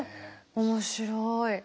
面白い。